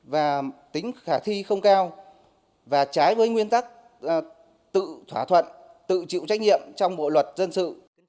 và tính khả thi không cao và trái với nguyên tắc tự thỏa thuận tự chịu trách nhiệm trong bộ luật dân sự